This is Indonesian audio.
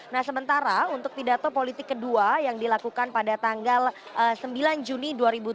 nah sementara untuk pidato politik kedua yang dilakukan pada tanggal sembilan juni dua ribu tujuh belas